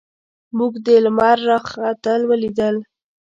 موږ د لمر راختل ولیدل.